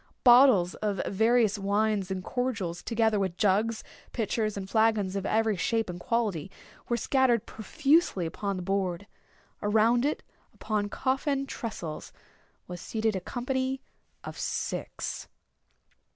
Bottles of various wines and cordials, together with jugs, pitchers, and flagons of every shape and quality, were scattered profusely upon the board. Around it, upon coffin tressels, was seated a company of six.